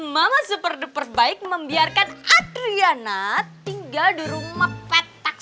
mama super deperbike membiarkan adriana tinggal di rumah petak